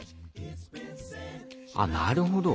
あっなるほど。